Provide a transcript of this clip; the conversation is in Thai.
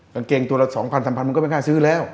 กางเกงตัวละ๒๐๐๓๐๐มันก็ไม่กล้าซื้อแล้ว